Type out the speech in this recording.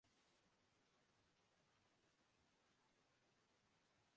یہ کیسی تفسیر ہے جو مضامین کو مزید الجھا رہی ہے؟